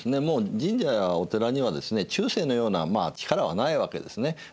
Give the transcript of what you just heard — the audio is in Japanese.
もう神社やお寺にはですね中世のような力はないわけですね。